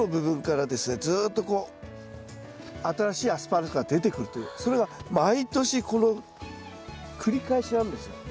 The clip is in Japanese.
ずっとこう新しいアスパラが出てくるというそれが毎年この繰り返しなんですよ。